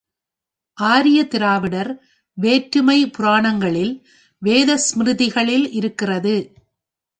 ஆரியர் திராவிடர் வேற்றுமை புராணங்களில், வேத ஸ்மிருதிகளில் இருக்கிறது.